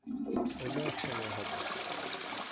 অন্য এক সময় হবে।